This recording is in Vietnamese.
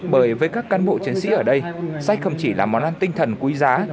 bởi với các cán bộ chiến sĩ ở đây sách không chỉ là món ăn tinh thần quý giá